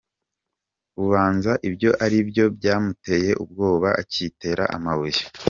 Ubanza ibyo ari byo byamuteye ubwoba, akitera amabuye".